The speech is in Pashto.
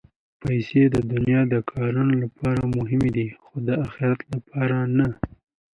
پېسې د دنیا د کارونو لپاره مهمې دي، خو د اخرت لپاره نه.